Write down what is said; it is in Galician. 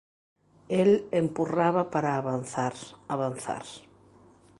El empurraba para avanzar, avanzar.